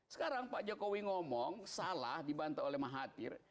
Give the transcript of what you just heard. sekarang pak jokowi ngomong salah dibantah oleh mahathir